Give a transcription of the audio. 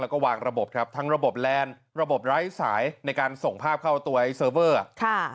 แล้วก็วางระบบครับทั้งระบบแลนด์ระบบไร้สายในการส่งภาพเข้าตัวไอ้เซิร์ฟเวอร์ค่ะ